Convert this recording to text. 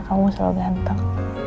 kamu selalu ganteng